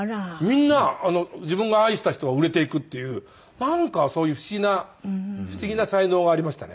みんな自分が愛した人は売れていくっていうなんかそういう不思議な不思議な才能がありましたね。